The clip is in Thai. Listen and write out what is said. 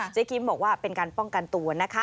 กิ๊มบอกว่าเป็นการป้องกันตัวนะคะ